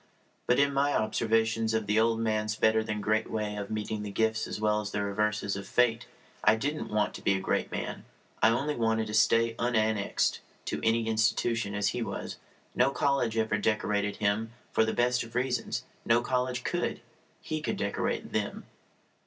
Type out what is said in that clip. But in my observations of the old man's better than great way of meeting the gifts as well as the reverses of fate I didn't want to be a great man. I only wanted to stay unannexed to any institution as he was. No college ever decorated him. For the best of reasons. No college could. He could decorate them.